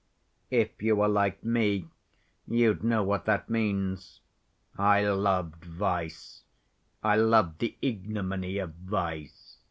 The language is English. If you were like me, you'd know what that means. I loved vice, I loved the ignominy of vice.